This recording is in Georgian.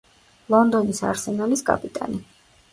ლონდონის არსენალის კაპიტანი.